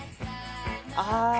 ああ。